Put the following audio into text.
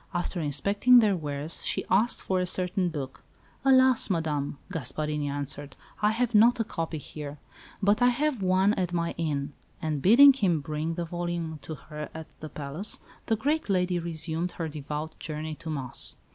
After inspecting their wares she asked for a certain book. "Alas! Madame," Gasparini answered, "I have not a copy here, but I have one at my inn." And bidding him bring the volume to her at the palace, the great lady resumed her devout journey to Mass.